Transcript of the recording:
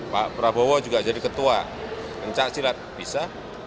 pak prabowo juga jadi ketua pencaksilat bisa